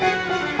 ya udah mbak